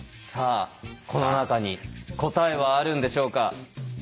さあこの中に答えはあるんでしょうか？